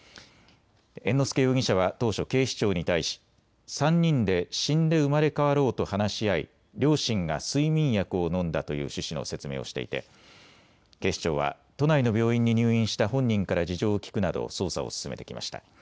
猿之助容疑者は当初、警視庁に対し３人で死んで生まれ変わろうと話し合い両親が睡眠薬を飲んだという趣旨の説明をしていて警視庁は都内の病院に入院した本人から事情を聴くなど捜査を進めてきました。